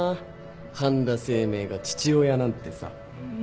半田清明が父親なんてさ。